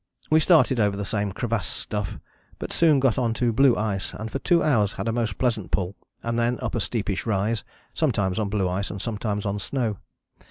We started over the same crevassed stuff, but soon got on to blue ice, and for two hours had a most pleasant pull, and then up a steepish rise sometimes on blue ice and sometimes on snow.